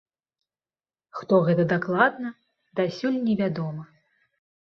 Хто гэта дакладна, дасюль невядома.